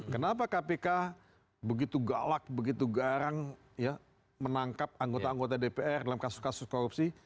kenapa kpk begitu galak begitu garang menangkap anggota anggota dpr dalam kasus kasus korupsi